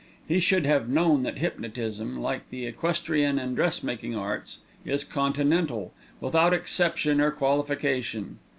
He should have known that hypnotism, like the equestrian and dressmaking arts, is continental, without exception or qualification.